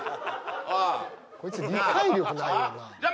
おうこいつ理解力ないよななあ？